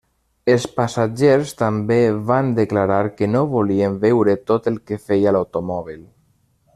Els passatgers també van declarar que no volien veure tot el que feia l'automòbil.